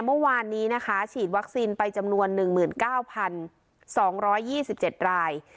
เมื่อวานนี้นะคะฉีดวัคซีนไปจำนวนหนึ่งหมื่นเก้าพันสองร้อยยี่สิบเจ็ดราย